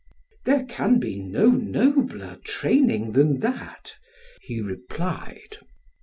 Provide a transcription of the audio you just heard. "'There can be no nobler training than that,' he replied.